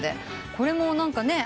これも何かね。